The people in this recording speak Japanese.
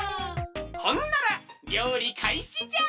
ほんならりょうりかいしじゃ！